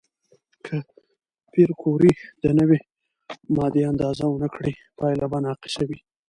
که پېیر کوري د نوې ماده اندازه ونه کړي، پایله به ناقصه وي.